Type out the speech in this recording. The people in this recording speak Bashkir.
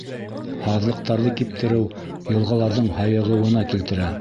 Һаҙлыҡтарҙы киптереү йылғаларҙың һайығыуына килтерә.